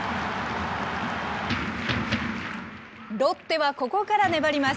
ロッテはここから粘ります。